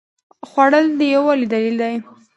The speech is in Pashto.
خوړل د یووالي دلیل دی